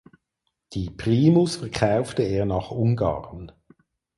Die "Primus" verkaufte er nach Ungarn.